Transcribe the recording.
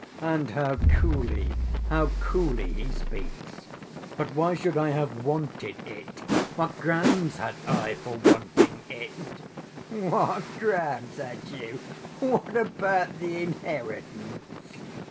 "And how coolly, how coolly he speaks! But why should I have wanted it; what grounds had I for wanting it?" "What grounds had you? What about the inheritance?"